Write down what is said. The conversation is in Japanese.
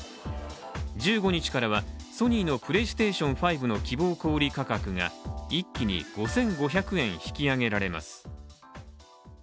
１５日からはソニーのプレイステーション５の希望小売価格が一気に５５００円引き上げられます。